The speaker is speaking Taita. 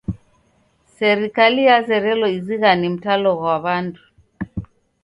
Serikale yazerelo izighane mtalo ghwa w'andu.